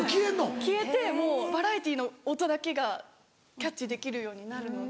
消えてバラエティーの音だけがキャッチできるようになるので。